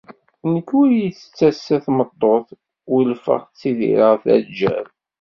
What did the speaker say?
Nekk ur iyi-tett assa tmeṭṭut, wilfeɣ ttidireɣ d aǧǧal.